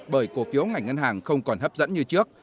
bởi cổ phiếu ngành ngân hàng không còn hấp dẫn như trước